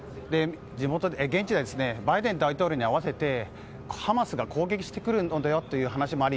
現地ではバイデン大統領に合わせてハマスが攻撃してくるのではという話もあり